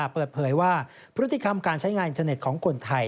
เปิดเผยว่าพฤติกรรมการใช้งานอินเทอร์เน็ตของคนไทย